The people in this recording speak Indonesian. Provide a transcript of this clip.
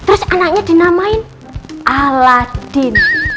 terus anaknya dinamain aladin